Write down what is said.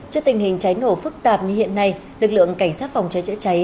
trước tình hình cháy nổ phức tạp như hiện nay lực lượng cảnh sát phòng cháy chữa cháy